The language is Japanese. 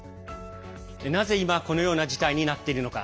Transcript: なぜ今、このような事態になっているのか。